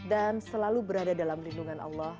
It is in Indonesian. dan selalu berada dalam lindungan allah